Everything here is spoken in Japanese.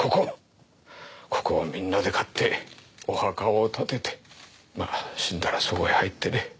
ここをみんなで買ってお墓を建ててまあ死んだらそこへ入ってね。